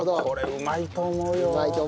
うまいと思うよ。